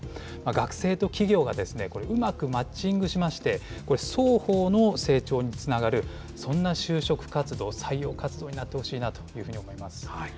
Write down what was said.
学生と企業がうまくマッチングしまして、双方の成長につながる、そんな就職活動、採用活動になってほしいなというふうに思います。